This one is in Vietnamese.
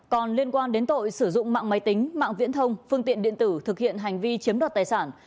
còn liên quan đến tội sử dụng mạng máy tính mạng viễn thông phương tiện điện tử thực hiện hành vi chiếm đoạt tài sản